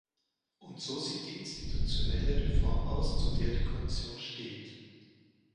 Und so sieht die institutionelle Reform aus, zu der die Kommission steht!